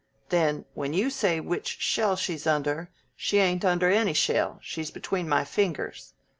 Then when you say which shell she's under, she ain't under any shell; she's between my fingers.